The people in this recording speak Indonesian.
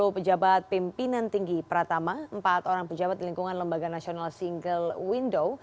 sepuluh pejabat pimpinan tinggi pratama empat orang pejabat di lingkungan lembaga nasional single window